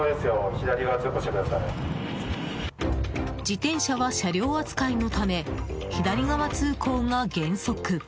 自転車は車両扱いのため左側通行が原則。